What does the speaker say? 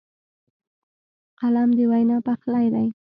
قلم د وینا پخلی دی